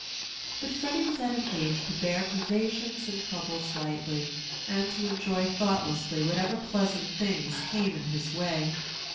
But Freddy was at an age to bear privations and troubles lightly, and to enjoy thoughtlessly whatever pleasant things came in his way.